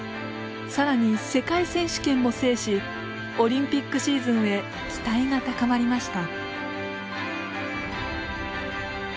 更に世界選手権も制しオリンピックシーズンへ期待が高まりました。